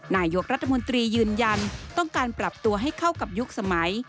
นายกรัฐมนตรียืนยันต้องการปรับตัวให้เข้ากับยุคสมัย